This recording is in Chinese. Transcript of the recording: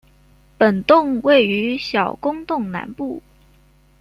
本洞位于小公洞南部。